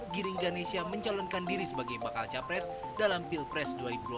giring ganesha mencalonkan diri sebagai bakal capres dalam pilpres dua ribu dua puluh